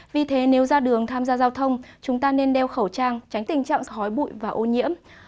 vì thế nếu ra đường tham gia giao thông chúng ta nên đeo khẩu trang tránh tình trạng khói bụi và ô nhiễm